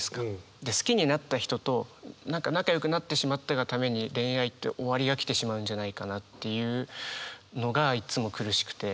で好きになった人と何か仲良くなってしまったがために恋愛って終わりが来てしまうんじゃないかなっていうのがいつも苦しくて。